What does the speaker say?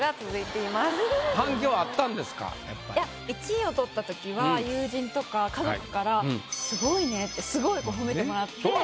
１位を取ったときは友人とか家族からってすごい褒めてもらって。